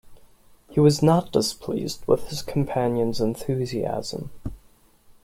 He was not displeased with his companion's enthusiasm.